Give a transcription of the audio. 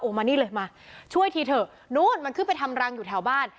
มานี่เลยมาช่วยทีเถอะนู้นมันขึ้นไปทำรังอยู่แถวบ้าน